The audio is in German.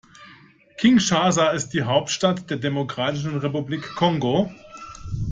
Kinshasa ist die Hauptstadt der Demokratischen Republik Kongo.